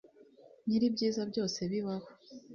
nyir'ibyiza byose bibaho